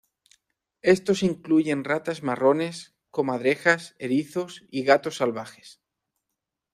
Estos incluyen ratas marrones, comadrejas, erizos y gatos salvajes.